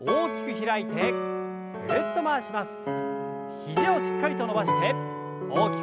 肘をしっかりと伸ばして大きく。